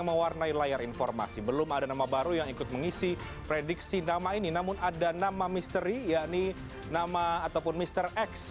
mewarnai layar informasi belum ada nama baru yang ikut mengisi prediksi nama ini namun ada nama misteri yakni nama ataupun mr x